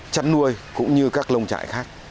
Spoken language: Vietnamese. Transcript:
chăn nuôi cũng như các lông trại khác